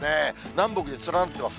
南北に連なってます。